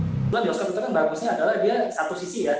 kedua bioskop itu kan bagusnya adalah dia satu sisi ya